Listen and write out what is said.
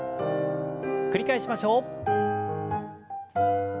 繰り返しましょう。